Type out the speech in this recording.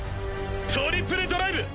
トリプルドライブ！